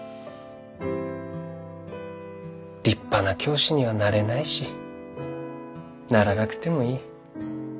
立派な教師にはなれないしならなくてもいい。